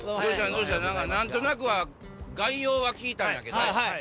何となくは概要は聞いたんやけど。